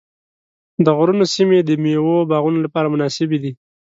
د غرونو سیمې د مېوو باغونو لپاره مناسبې دي.